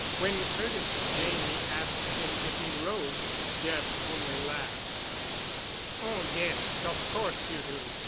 When Curtis Janney asked him if he rode, Jeff only laughed. "Oh, yes, of course you do.